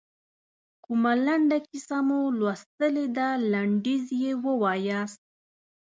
کومه لنډه کیسه مو لوستلې ده لنډیز یې ووایاست.